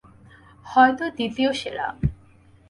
হয়তো দ্বিতীয় সেরা।